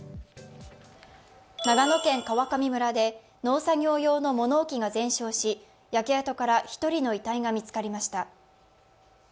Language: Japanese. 長野県川上村で農作業用の物置が全焼し、焼け跡から１人の遺体が見つかりました。